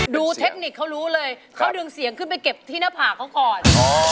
เทคนิคเขารู้เลยเขาดึงเสียงขึ้นไปเก็บที่หน้าผากเขาก่อน